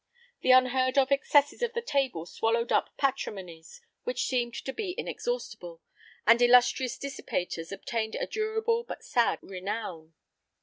The unheard of excesses of the table swallowed up patrimonies which seemed to be inexhaustible, and illustrious dissipators obtained a durable but sad renown.